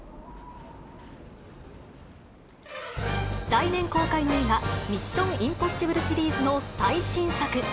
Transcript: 来年公開の映画、ミッション：インポッシブルシリーズの最新作。